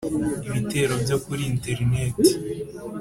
Ibitero byo kuri interineti